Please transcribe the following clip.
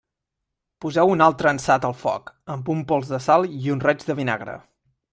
Poseu un altre ansat al foc, amb un pols de sal i un raig de vinagre.